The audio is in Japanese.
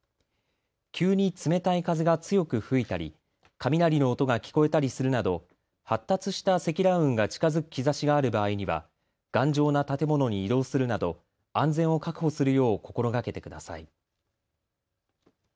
急に冷たい風が強く吹いたり雷の音が聞こえたりするなど発達した積乱雲が近づく兆しがある場合には頑丈な建物に移動するなど安全を確保するよう心がけてください。